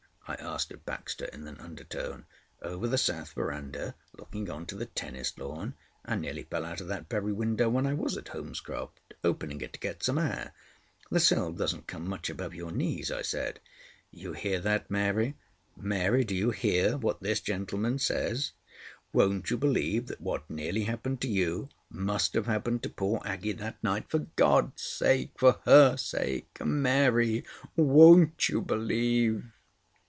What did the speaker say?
I asked of Baxter in an undertone. "Over the south verandah, looking on to the tennis lawn." "I nearly fell out of that very window when I was at Holmescroft—opening it to get some air. The sill doesn't come much above your knees," I said. "You hear that, Mary? Mary, do you hear what this gentleman says? Won't you believe that what nearly happened to you must have happened to poor Aggie that night? For God's sake—for her sake—Mary, won't you believe?"